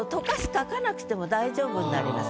書かなくても大丈夫になります。